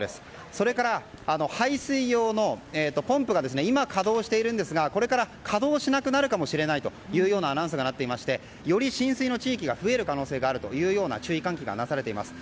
それから、排水用のポンプが今、稼働しているんですがこれから稼働しなくなるかもしれないというアナウンスがありましてより浸水の地域が増える可能性があるという注意喚起がなされています。